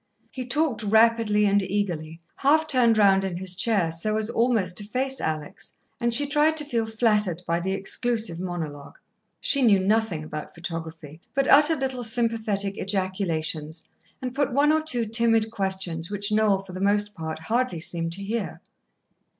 He talked rapidly and eagerly, half turned round in his chair so as almost to face Alex, and she tried to feel flattered by the exclusive monologue. She knew nothing about photography, but uttered little sympathetic ejaculations, and put one or two timid questions which Noel for the most part hardly seemed to hear.